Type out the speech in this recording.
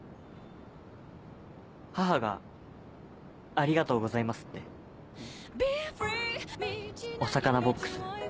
母が「ありがとうございます」って。お魚ボックス